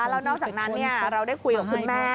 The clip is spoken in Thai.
แล้วนอกจากนั้นเราได้คุยกับคุณแม่